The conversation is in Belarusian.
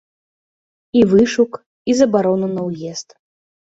І вышук, і забарона на ўезд.